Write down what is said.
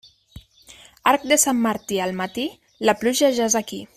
Arc de Sant Martí al matí, la pluja ja és aquí.